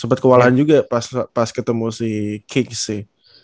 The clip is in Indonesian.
sempat kewalahan juga pas ketemu si kings sih